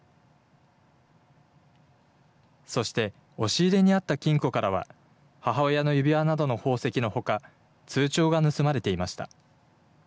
そして、押し入れにあった金庫からは母親の指輪などの宝石のほか、通帳が盗まれていました。